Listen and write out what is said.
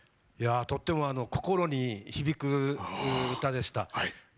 とっても心に響く歌でした。